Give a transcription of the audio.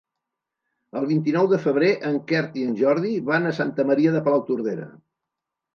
El vint-i-nou de febrer en Quer i en Jordi van a Santa Maria de Palautordera.